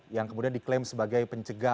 yang kemudian diklaim sebagai pencegah